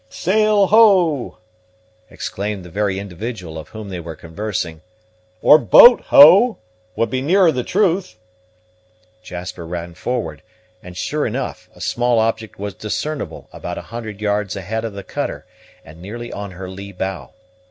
"Sail, ho!" exclaimed the very individual of whom they were conversing; "or boat, ho! would be nearer the truth." Jasper ran forward; and, sure enough, a small object was discernible about a hundred yards ahead of the cutter, and nearly on her lee bow.